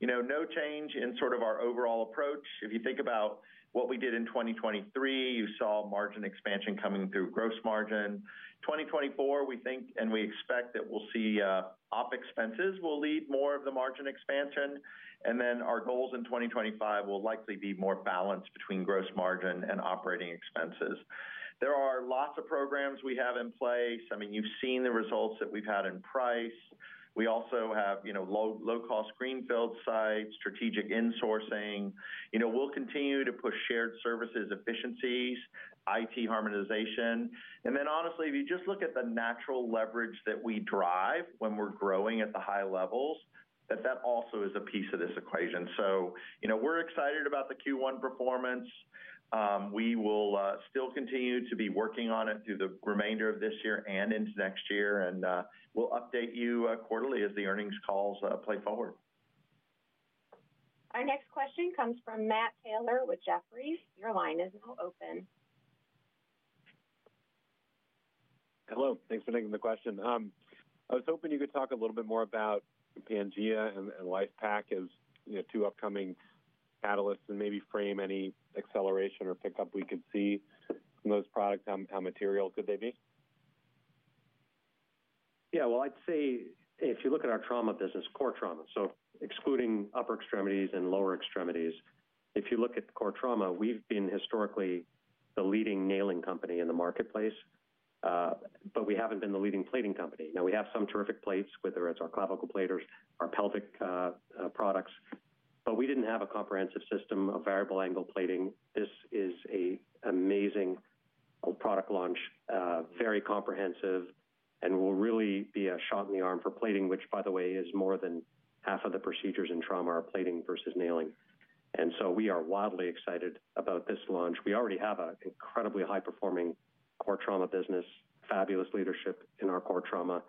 Speaker 4: No change in sort of our overall approach. If you think about what we did in 2023, you saw margin expansion coming through gross margin. 2024, we think and we expect that we'll see OpEx will lead more of the margin expansion. And then our goals in 2025 will likely be more balanced between gross margin and operating expenses. There are lots of programs we have in place. I mean, you've seen the results that we've had in price. We also have low-cost greenfield sites, strategic insourcing. We'll continue to push shared services efficiencies, IT harmonization. And then honestly, if you just look at the natural leverage that we drive when we're growing at the high levels, that that also is a piece of this equation. So we're excited about the Q1 performance. We will still continue to be working on it through the remainder of this year and into next year. We'll update you quarterly as the earnings calls play forward.
Speaker 1: Our next question comes from Matt Taylor with Jefferies. Your line is now open.
Speaker 16: Hello. Thanks for taking the question. I was hoping you could talk a little bit more about Pangea and LIFEPAK as two upcoming catalysts and maybe frame any acceleration or pickup we could see from those products. How material could they be?
Speaker 2: Yeah, well, I'd say if you look at our trauma business, core trauma, so excluding upper extremities and lower extremities, if you look at core trauma, we've been historically the leading nailing company in the marketplace. But we haven't been the leading plating company. Now, we have some terrific plates, whether it's our clavicle plates, our pelvic products. But we didn't have a comprehensive system of variable angle plating. This is an amazing product launch, very comprehensive, and will really be a shot in the arm for plating, which, by the way, is more than half of the procedures in trauma are plating versus nailing. And so we are wildly excited about this launch. We already have an incredibly high-performing core trauma business, fabulous leadership in our core trauma.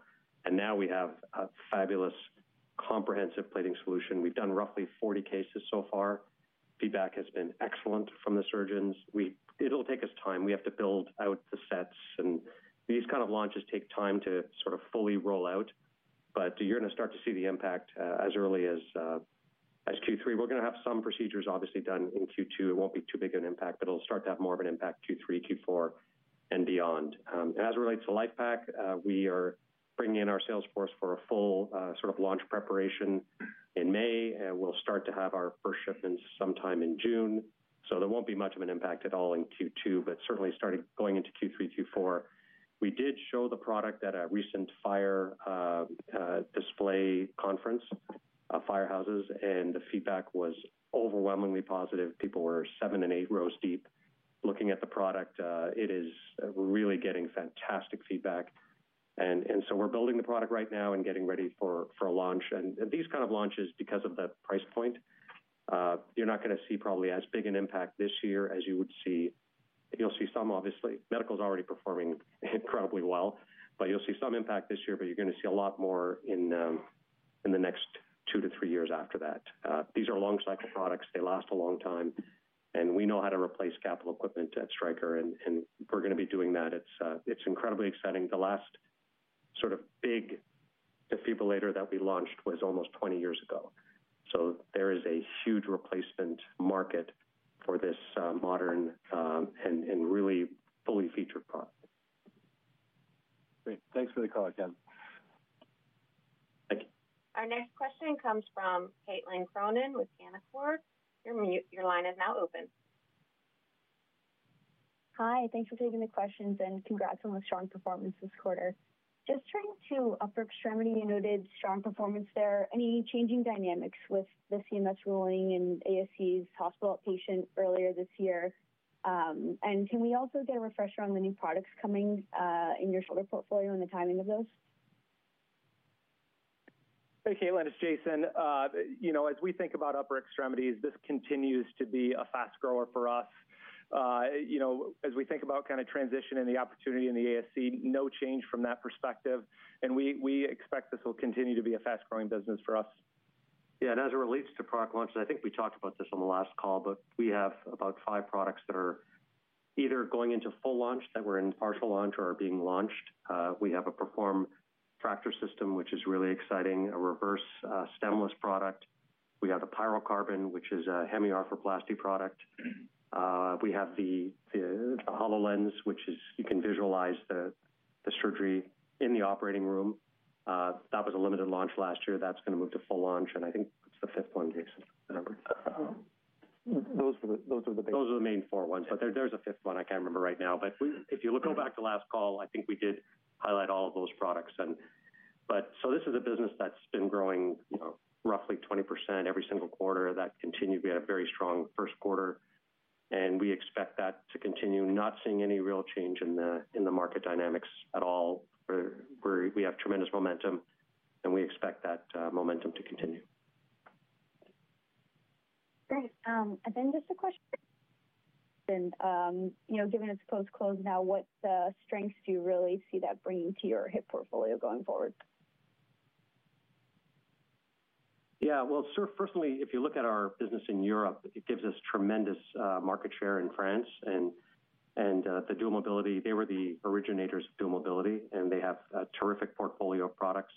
Speaker 2: And now we have a fabulous comprehensive plating solution. We've done roughly 40 cases so far. Feedback has been excellent from the surgeons. It'll take us time. We have to build out the sets. And these kind of launches take time to sort of fully roll out. But you're going to start to see the impact as early as Q3. We're going to have some procedures obviously done in Q2. It won't be too big of an impact, but it'll start to have more of an impact Q3, Q4, and beyond. And as it relates to LIFEPAK, we are bringing in our sales force for a full sort of launch preparation in May. We'll start to have our first shipments sometime in June. So there won't be much of an impact at all in Q2, but certainly starting going into Q3, Q4. We did show the product at a recent Firehouse conference, Firehouses, and the feedback was overwhelmingly positive. People were 7 and 8 rows deep looking at the product. It is really getting fantastic feedback. And so we're building the product right now and getting ready for a launch. And these kind of launches, because of the price point, you're not going to see probably as big an impact this year as you would see. You'll see some, obviously. Medical is already performing incredibly well. But you'll see some impact this year, but you're going to see a lot more in the next 2-3 years after that. These are long-cycle products. They last a long time. And we know how to replace capital equipment at Stryker. And we're going to be doing that. It's incredibly exciting. The last sort of big defibrillator that we launched was almost 20 years ago. So there is a huge replacement market for this modern and really fully featured product.
Speaker 16: Great. Thanks for the call, Kevin.
Speaker 2: Thank you.
Speaker 1: Our next question comes from Caitlin Cronin with Canaccord Genuity. Your line is now open.
Speaker 17: Hi. Thanks for taking the questions and congrats on the strong performance this quarter. Just turning to upper extremity, you noted strong performance there. Any changing dynamics with the CMS ruling and ASCs hospital outpatient earlier this year? And can we also get a refresher on the new products coming in your shoulder portfolio and the timing of those?
Speaker 3: Hey, Caitlin. It's Jason. As we think about upper extremities, this continues to be a fast grower for us. As we think about kind of transition and the opportunity in the ASC, no change from that perspective. And we expect this will continue to be a fast-growing business for us.
Speaker 2: Yeah, and as it relates to product launches, I think we talked about this on the last call, but we have about five products that are either going into full launch, that we're in partial launch, or are being launched. We have a Perform Fracture system, which is really exciting, a Perform Reversed product. We have the PyroCarbon, which is a hemiarthroplasty product. We have the HoloLens, which is you can visualize the surgery in the operating room. That was a limited launch last year. That's going to move to full launch. And I think it's the fifth one, Jason.
Speaker 3: Those were the main four.
Speaker 2: Those were the main four ones, but there's a fifth one. I can't remember right now. But if you look, go back to last call, I think we did highlight all of those products. And so this is a business that's been growing roughly 20% every single quarter. That continued. We had a very strong first quarter. And we expect that to continue, not seeing any real change in the market dynamics at all. We have tremendous momentum. And we expect that momentum to continue.
Speaker 17: Great. Then just a question. Given it's close, close now, what strengths do you really see that bringing to your Hip portfolio going forward?
Speaker 2: Yeah, well, first of all, if you look at our business in Europe, it gives us tremendous market share in France. And the Dual Mobility, they were the originators of Dual Mobility, and they have a terrific portfolio of products,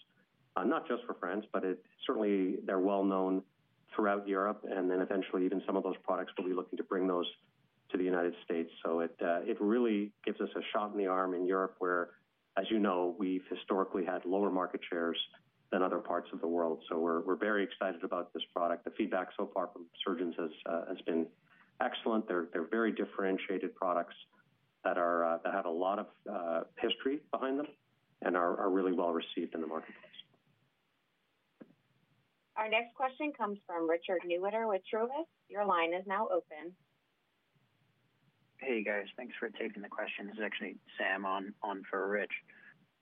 Speaker 2: not just for France, but certainly they're well known throughout Europe. And then eventually, even some of those products will be looking to bring those to the United States. So it really gives us a shot in the arm in Europe where, as you know, we've historically had lower market shares than other parts of the world. So we're very excited about this product. The feedback so far from surgeons has been excellent. They're very differentiated products that have a lot of history behind them and are really well received in the marketplace.
Speaker 1: Our next question comes from Richard Newitter with Truist. Your line is now open.
Speaker 18: Hey, guys. Thanks for taking the question. This is actually Sam on for Rich.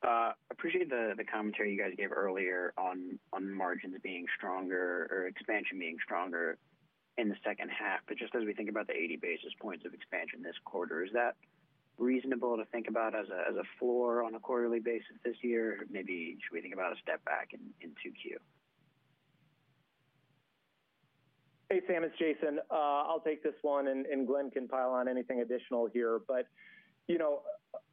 Speaker 18: I appreciate the commentary you guys gave earlier on margins being stronger or expansion being stronger in the second half. But just as we think about the 80 basis points of expansion this quarter, is that reasonable to think about as a floor on a quarterly basis this year? Maybe should we think about a step back in 2Q?
Speaker 3: Hey, Sam. It's Jason. I'll take this one, and Glenn can pile on anything additional here. But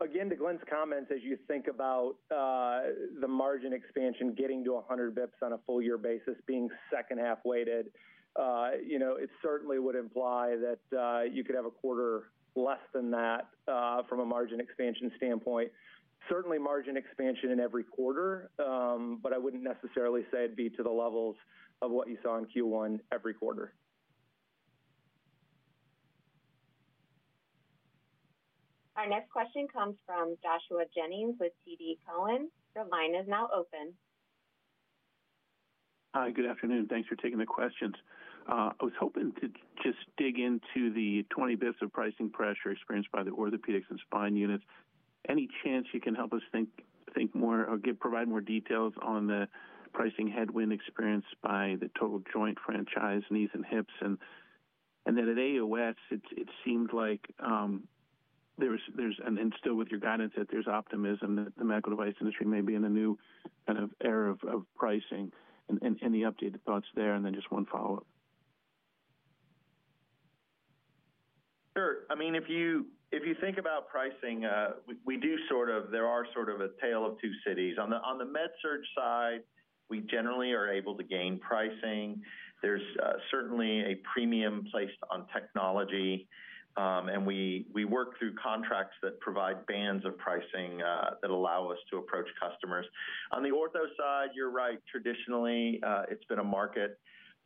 Speaker 3: again, to Glenn's comments, as you think about the margin expansion getting to 100 basis points on a full-year basis, being second-half weighted, it certainly would imply that you could have a quarter less than that from a margin expansion standpoint. Certainly margin expansion in every quarter, but I wouldn't necessarily say it'd be to the levels of what you saw in Q1 every quarter.
Speaker 1: Our next question comes from Joshua Jennings with TD Cowen. Your line is now open.
Speaker 19: Hi. Good afternoon. Thanks for taking the questions. I was hoping to just dig into the 20 basis points of pricing pressure experienced by the Orthopaedics and Spine units. Any chance you can help us think more or provide more details on the pricing headwind experienced by the total joint franchise, knees and hips? And then at AAOS, it seemed like there's and still with your guidance that there's optimism that the medical device industry may be in a new kind of era of pricing. Any updated thoughts there? And then just one follow-up.
Speaker 4: Sure. I mean, if you think about pricing, we do sort of there are sort of a tale of two cities. On the MedSurg side, we generally are able to gain pricing. There's certainly a premium placed on technology. And we work through contracts that provide bands of pricing that allow us to approach customers. On the ortho side, you're right. Traditionally, it's been a market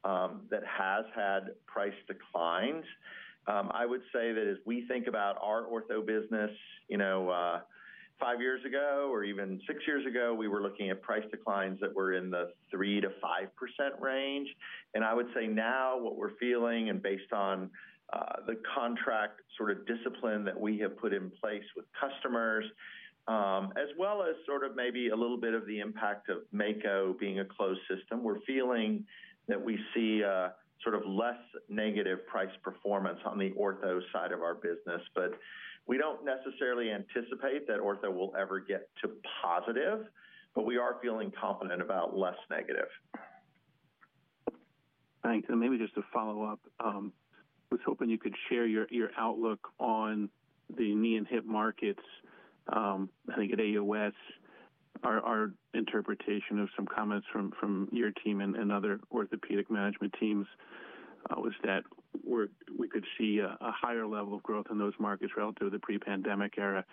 Speaker 4: that has had price declines. I would say that as we think about our ortho business, five years ago or even six years ago, we were looking at price declines that were in the 3%-5% range. I would say now what we're feeling and based on the contract sort of discipline that we have put in place with customers, as well as sort of maybe a little bit of the impact of Mako being a closed system, we're feeling that we see sort of less negative price performance on the ortho side of our business. But we don't necessarily anticipate that ortho will ever get to positive, but we are feeling confident about less negative.
Speaker 19: Thanks. Maybe just to follow up, I was hoping you could share your outlook on the knee and hip markets. I think at AAOS, our interpretation of some comments from your team and other orthopedic management teams was that we could see a higher level of growth in those markets relative to the pre-pandemic era?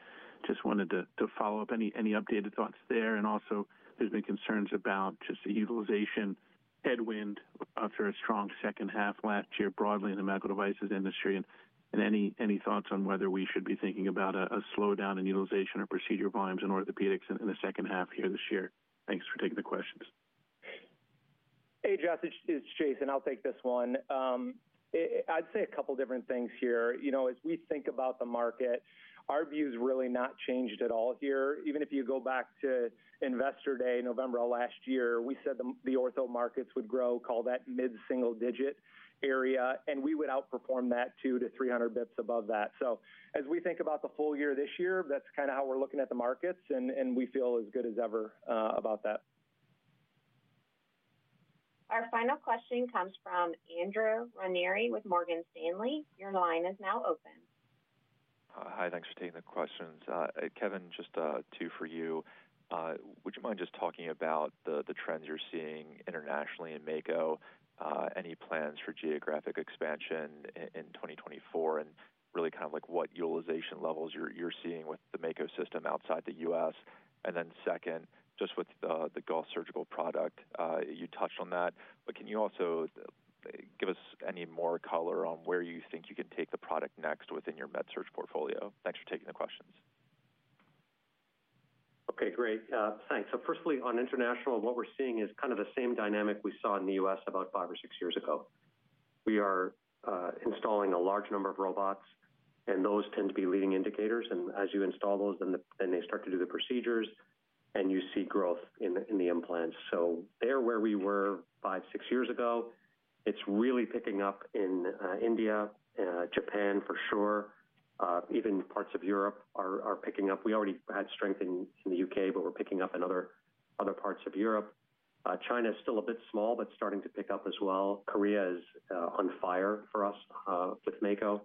Speaker 19: Just wanted to follow up any updated thoughts there. Also, there's been concerns about just the utilization headwind after a strong second half last year broadly in the medical devices industry. Any thoughts on whether we should be thinking about a slowdown in utilization or procedure volumes in orthopedics in the second half here this year? Thanks for taking the questions.
Speaker 3: Hey, Jeff. It's Jason. I'll take this one. I'd say a couple of different things here. As we think about the market, our view is really not changed at all here. Even if you go back to Investor Day, November last year, we said the ortho markets would grow, call that mid-single digit area. And we would outperform that 200-300 bps above that. So as we think about the full year this year, that's kind of how we're looking at the markets. And we feel as good as ever about that.
Speaker 1: Our final question comes from Drew Ranieri with Morgan Stanley. Your line is now open.
Speaker 20: Hi. Thanks for taking the questions. Kevin, just two for you. Would you mind just talking about the trends you're seeing internationally in Mako? Any plans for geographic expansion in 2024 and really kind of like what utilization levels you're seeing with the Mako system outside the US? And then second, just with the Gauss Surgical product, you touched on that. But can you also give us any more color on where you think you can take the product next within your MedSurg portfolio? Thanks for taking the questions.
Speaker 2: Okay, great. Thanks. So firstly, on international, what we're seeing is kind of the same dynamic we saw in the U.S. about 5 or 6 years ago. We are installing a large number of robots. And those tend to be leading indicators. And as you install those, then they start to do the procedures. And you see growth in the implants. So they're where we were 5, 6 years ago. It's really picking up in India, Japan for sure. Even parts of Europe are picking up. We already had strength in the U.K., but we're picking up in other parts of Europe. China is still a bit small, but starting to pick up as well. Korea is on fire for us with Mako.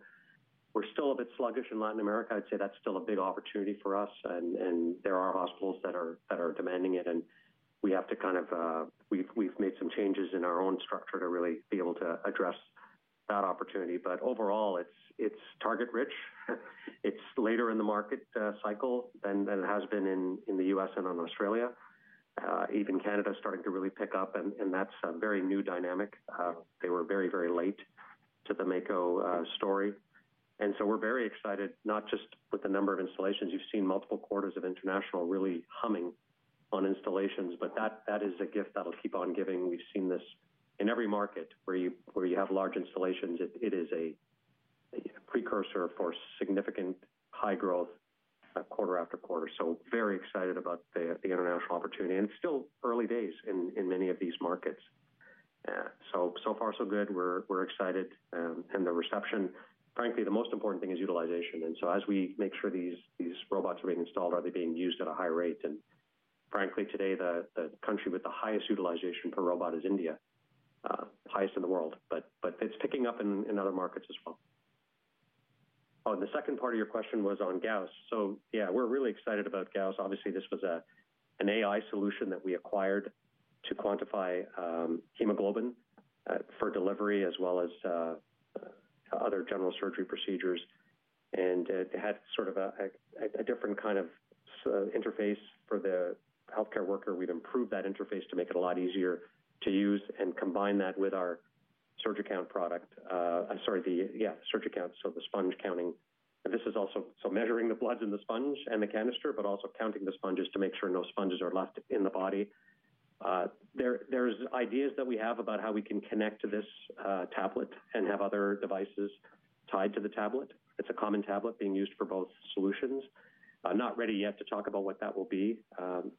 Speaker 2: We're still a bit sluggish in Latin America. I'd say that's still a big opportunity for us. And there are hospitals that are demanding it. We've made some changes in our own structure to really be able to address that opportunity. But overall, it's target-rich. It's later in the market cycle than it has been in the U.S. and in Australia. Even Canada is starting to really pick up. And that's a very new dynamic. They were very, very late to the Mako story. And so we're very excited, not just with the number of installations. You've seen multiple quarters of international really humming on installations, but that is a gift that'll keep on giving. We've seen this in every market where you have large installations. It is a precursor for significant high growth quarter after quarter. So very excited about the international opportunity. And it's still early days in many of these markets. So far, so good. We're excited. And the reception, frankly, the most important thing is utilization. And so as we make sure these robots are being installed, are they being used at a high rate? And frankly, today, the country with the highest utilization per robot is India, highest in the world. But it's picking up in other markets as well. Oh, and the second part of your question was on Gauss. So yeah, we're really excited about Gauss. Obviously, this was an AI solution that we acquired to quantify hemoglobin for delivery as well as other general surgery procedures. And it had sort of a different kind of interface for the healthcare worker. We've improved that interface to make it a lot easier to use and combine that with our SurgiCount product. Sorry, yeah, SurgiCount, so the sponge counting. And this is also so measuring the blood loss in the sponge and the canister, but also counting the sponges to make sure no sponges are left in the body. There are ideas that we have about how we can connect to this tablet and have other devices tied to the tablet. It's a common tablet being used for both solutions. Not ready yet to talk about what that will be.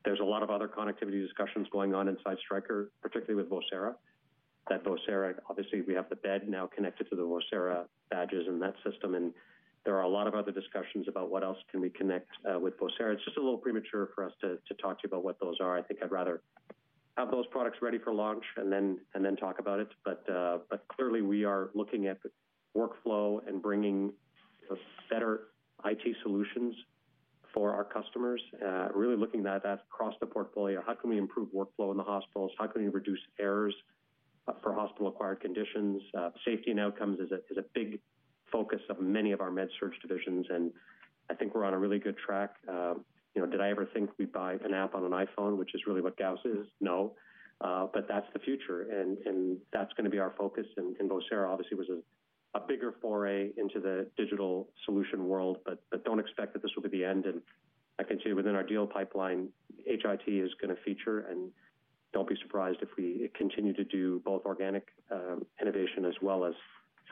Speaker 2: There's a lot of other connectivity discussions going on inside Stryker, particularly with Vocera. That Vocera, obviously, we have the bed now connected to the Vocera badges in that system. And there are a lot of other discussions about what else can we connect with Vocera. It's just a little premature for us to talk to you about what those are. I think I'd rather have those products ready for launch and then talk about it. But clearly, we are looking at workflow and bringing better IT solutions for our customers, really looking at that across the portfolio. How can we improve workflow in the hospitals? How can we reduce errors for hospital-acquired conditions? Safety and outcomes is a big focus of many of our MedSurg divisions. And I think we're on a really good track. Did I ever think we'd buy an app on an iPhone, which is really what Gauss is? No. But that's the future. And that's going to be our focus. And Vocera, obviously, was a bigger foray into the digital solution world. But don't expect that this will be the end. And I can say within our deal pipeline, HIT is going to feature. And don't be surprised if we continue to do both organic innovation as well as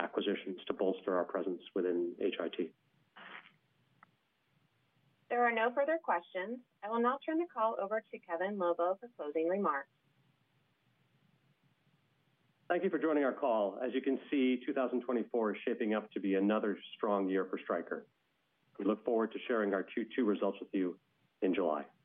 Speaker 2: acquisitions to bolster our presence within HIT.
Speaker 1: There are no further questions. I will now turn the call over to Kevin Lobo for closing remarks.
Speaker 2: Thank you for joining our call. As you can see, 2024 is shaping up to be another strong year for Stryker. We look forward to sharing our Q2 results with you in July. Thank you.